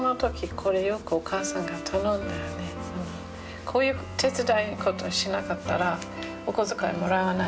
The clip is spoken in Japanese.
こういう手伝う事をしなかったらお小遣いもらえないからね。